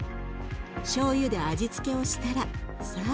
しょうゆで味付けをしたらさあ